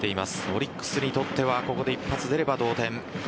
オリックスにとってはここで一発出れば同点。